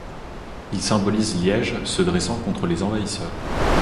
Ils symbolisent Liège se dressant contre les envahisseurs.